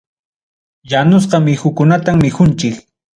Yanusqa muhukunatam mikunchik.